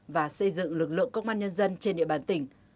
và xây dựng lực lượng công an nhân dân trên địa bàn tỉnh